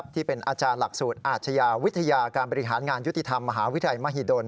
ที่เป็นอาจารย์หลักสูตรอาชญาวิทยาการบริหารงานยุติธรรมมหาวิทยาลัยมหิดล